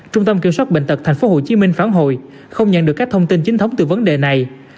trung tâm kiểm soát bệnh tật tp hcm phản hồi không nhận được các thông tin chính thống từ vấn đề này